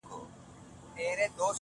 • دا ماته هینداره جوړومه نور ..